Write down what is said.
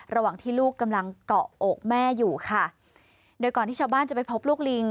ระหว่างที่ลูกกำลังเกาะอกแม่อยู่ค่ะโดยก่อนที่ชาวบ้านจะไปพบลูกลิง